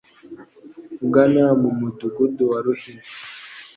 ugana mu Mudugudu wa Ruhina